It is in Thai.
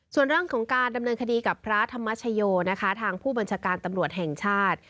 ส่วนเรื่องของการดำเนินคดีกับพระธรรมชโยนะคะทางผู้บัญชาการตำรวจแห่งชาติ